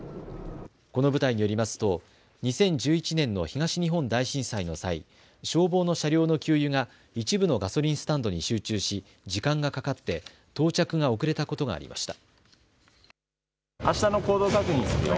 この部隊によりますと２０１１年の東日本大震災の際、消防の車両の給油が一部のガソリンスタンドに集中し時間がかかって到着が遅れたことがありました。